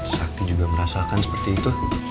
sakti juga merasakan seperti itu